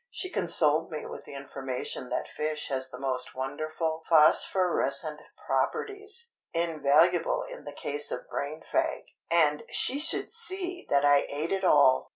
She consoled me with the information that fish has the most wonderful phosphorescent properties, invaluable in the case of brain fag; and she should see that I ate it all!